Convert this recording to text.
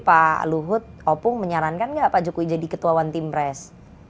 pak luhut opung menyarankan nggak pak jokowi jadi ketuawan tim pres